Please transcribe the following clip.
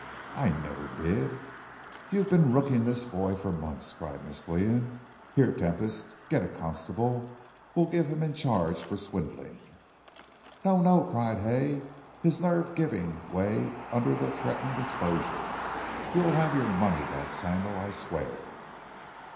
"I never did " "You've been rooking this boy for months," cried Miss Qian. "Here, Tempest, get a constable. We'll give him in charge for swindling." "No! no!" cried Hay, his nerve giving way under the threatened exposure; "you'll have your money back, Sandal, I swear."